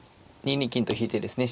２二金と引いてですね